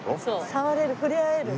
触れる触れ合える。